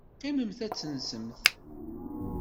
Qqimemt ad tensemt.